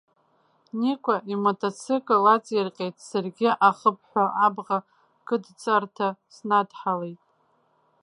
Никәа имотоцикл лаҵирҟьеит, саргьы ахыԥҳәа абӷа кыдҵарҭа снадҳалеит.